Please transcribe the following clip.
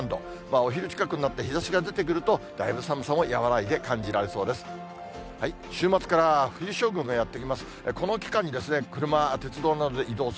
お昼近くになって日ざしが出てくると、だいぶ寒さも和らいで感じられそうです。